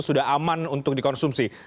sudah aman untuk dikonsumsi